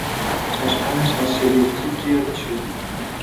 چشمانش از شگفتی گرد شد.